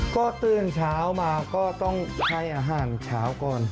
ก็ตื่นเช้ามาก็ต้องให้อาหารเช้าก่อน